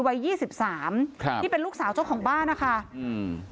วัยยี่สิบสามครับที่เป็นลูกสาวเจ้าของบ้านนะคะอืม